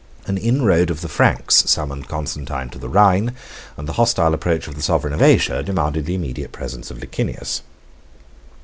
An inroad of the Franks summoned Constantine to the Rhine, and the hostile approach of the sovereign of Asia demanded the immediate presence of Licinius.